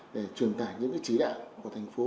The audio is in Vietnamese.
để truyền tải những trí đạo của thành phố